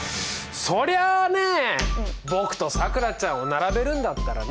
そりゃあね僕とさくらちゃんを並べるんだったらね